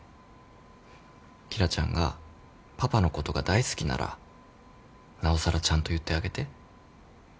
紀來ちゃんがパパのことが大好きならなおさらちゃんと言ってあげて。